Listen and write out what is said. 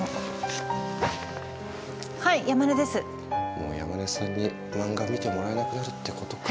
もう山根さんに漫画見てもらえなくなるってことかあ。